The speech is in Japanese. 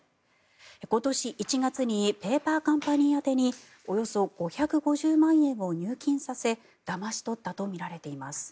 今年１月にペーパーカンパニー宛てにおよそ５５０万円を入金させだまし取ったとみられています。